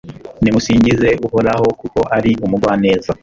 nimusingize uhoraho, kuko ari umugwaneza